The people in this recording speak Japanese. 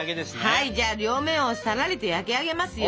はいじゃあ両面をさらりと焼き上げますよ。